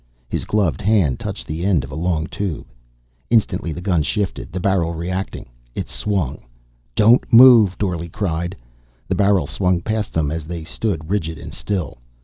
His gloved hand touched the end of a long tube. Instantly the gun shifted, the barrel retracting. It swung "Don't move!" Dorle cried. The barrel swung past them as they stood, rigid and still.